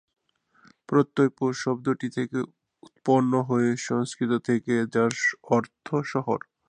প্রত্যয় পুর শব্দটি থেকে উৎপন্ন হয়েছে সংস্কৃত থেকে, যার অর্থ শহর।